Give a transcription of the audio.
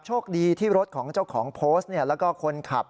โชคดีที่รถของเจ้าของโพสต์แล้วก็คนขับ